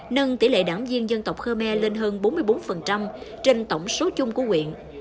nâng tỷ lệ đảng viên dân tộc khmer lên hơn bốn mươi bốn trên tổng số chung của quyện